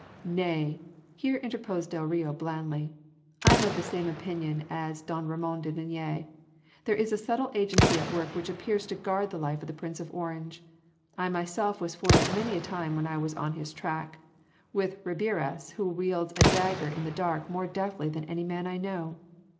"Nay!" here interposed del Rio blandly, "I am of the same opinion as don Ramon de Linea; there is a subtle agency at work which appears to guard the life of the Prince of Orange. I myself was foiled many a time when I was on his track with Ribeiras who wields a dagger in the dark more deftly than any man I know.